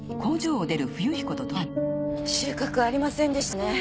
収穫はありませんでしたね。